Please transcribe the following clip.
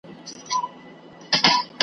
یو له بله یې په وینو وه لړلي .